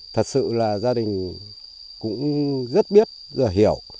thật sự là gia đình cũng rất biết hiểu